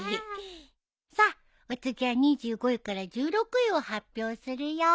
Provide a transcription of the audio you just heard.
さあお次は２５位から１６位を発表するよ。